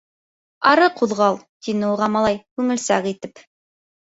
— Ары ҡуҙғал, — тине уға малай күңелсәк итеп.